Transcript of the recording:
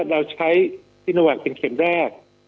เราใช้ซิโนแวคเป็นเข็มแรก